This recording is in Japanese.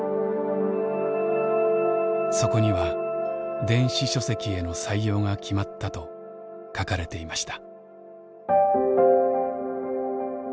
そこには電子書籍への採用が決まったと書かれていました。